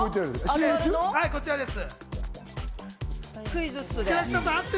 こちらです。